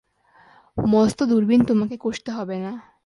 মস্ত দূরবীন তোমাকে কষতে হবে না।